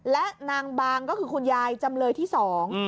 และนางบางก็คือคุณยายจำเลยที่สอง